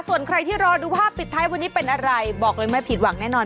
ส่วนใครที่รอดูภาพปิดท้ายวันนี้เป็นอะไรบอกเลยไม่ผิดหวังแน่นอน